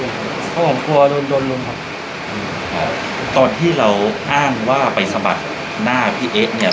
เพราะผมกลัวโดนโดนรุมครับตอนที่เราอ้างว่าไปสะบัดหน้าพี่เอ๊เนี่ย